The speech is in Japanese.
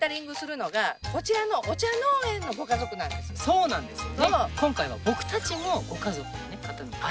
そうなんですよ。